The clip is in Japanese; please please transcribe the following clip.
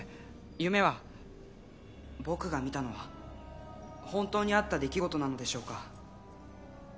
夢は僕が見たのは本当にあった出来事なのでしょうか？